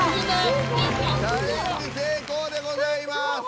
成功でございます。